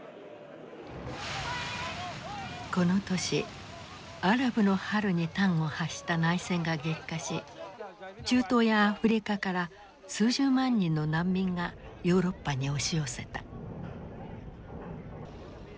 この年アラブの春に端を発した内戦が激化し中東やアフリカから数十万人の難民がヨーロッパに押し寄せた。